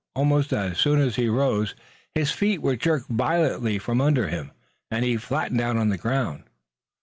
Almost as soon as he rose, his feet were jerked violently from under him and he flattened out on the ground.